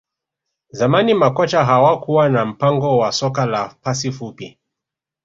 Zamani makocha hawakuwa na mpango wa soka la pasi fupi